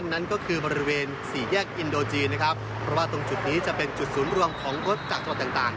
นั่นก็คือบริเวณสี่แยกอินโดจีนนะครับเพราะว่าตรงจุดนี้จะเป็นจุดศูนย์รวมของรถจากจังหวัดต่างต่าง